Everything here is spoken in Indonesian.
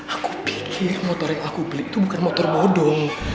aku pikir motor yang aku beli itu bukan motor bodong